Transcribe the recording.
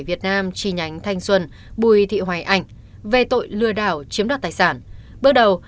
việt nam chi nhánh thanh xuân bùi thị hoài ảnh về tội lừa đảo chiếm đoạt tài sản bước đầu